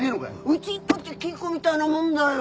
うちにとっちゃ金庫みたいなもんだよ。